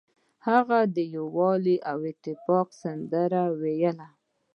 هغه د یووالي او اتفاق سندره ویله.